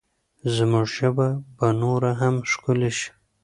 زموږ ژبه به نوره هم ښکلې شي.